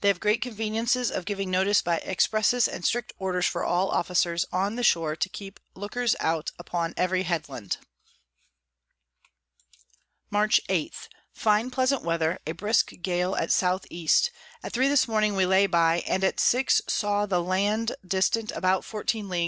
They have great Conveniences of giving notice by Expresses and strict Orders for all Officers on the Shore to keep Lookers out upon every Head Land. Mar. 8. Fine pleasant Weather, a brisk Gale at S E. At three this Morning we lay by, and at six saw the Land dist. about 14 Ls.